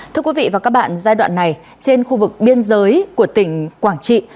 thưa quý vị và các bạn giai đoạn này trên khu vực biên giới của tỉnh quảng trị